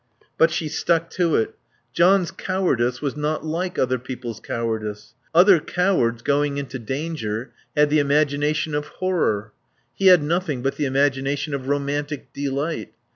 But she stuck to it. John's cowardice was not like other people's cowardice. Other cowards going into danger had the imagination of horror. He had nothing but the imagination of romantic delight.